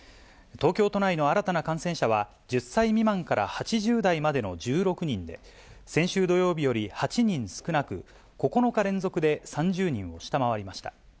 東京都内の新たな感染者は、１０歳未満から８０代までの１６人で、先週土曜日より８人少なく、９日連続で３０人を下回りました。